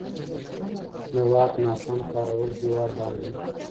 د واک ناسم کارول زوال راولي